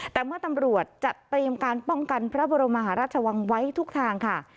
แต่เมื่อตำรวจจัดเตรียมการป้องกันพระบรมหาราชวังไว้ทุกทางค่ะ